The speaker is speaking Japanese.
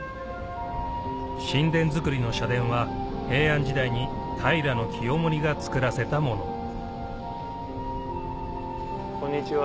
寝殿造りの社殿は平安時代にが造らせたものこんにちは。